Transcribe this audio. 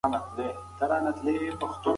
د فایبر کموالی اغېز لري.